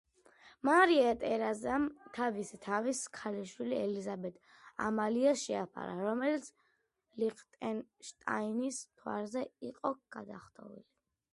მარია ტერეზამ თავი თავის ქალიშვილ ელიზაბეთ ამალიას შეაფარა, რომელიც ლიხტენშტაინის მთავარზე იყო გათხოვილი.